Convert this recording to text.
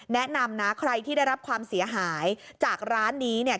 แนะนำนะใครที่ได้รับความเสียหายจากร้านนี้เนี่ย